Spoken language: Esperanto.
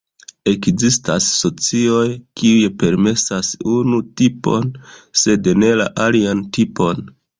Ekzistas socioj, kiuj permesas unu tipon, sed ne la alian tipon.